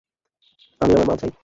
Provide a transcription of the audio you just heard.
আমি আমার মাল চাই!